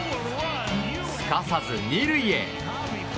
すかさず２塁へ。